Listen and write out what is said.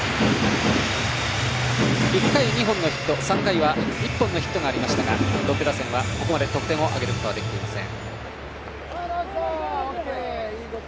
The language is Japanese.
１回に２本のヒット３回は１本のヒットがありましたがロッテ打線は、ここまで得点を挙げることはできていません。